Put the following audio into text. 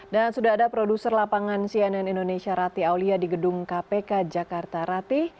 dan sudah ada produser lapangan cnn indonesia rati aulia di gedung kpk jakarta rati